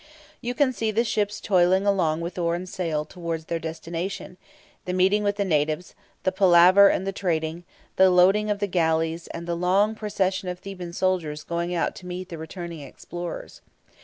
You can see the ships toiling along with oar and sail towards their destination, the meeting with the natives, the palaver and the trading, the loading of the galleys, and the long procession of Theban soldiers going out to meet the returning explorers.